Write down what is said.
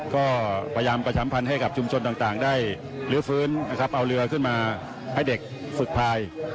ก็พยายามประชามภัณฑ์ให้กับชุมชนต่างได้หรือฟื้นและเอาเรือขึ้นมาให้เด็กฝึกภาย